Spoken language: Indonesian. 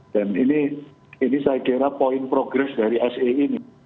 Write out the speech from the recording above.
dan ini saya kira point progress dari se ini